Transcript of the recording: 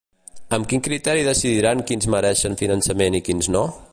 Amb quin criteri decidiran quins mereixen finançament i quins no?